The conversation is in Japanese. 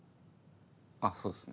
あぁそうですね。